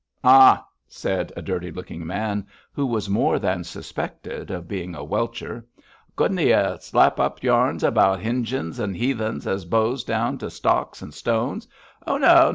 'Ah!' said a dirty looking man, who was more than suspected of being a welcher, 'couldn't he tell slap up yarns about H'injins an' 'eathens as bows down to stocks and stones. Oh, no!